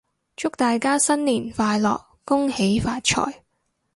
祝大家新年快樂！恭喜發財！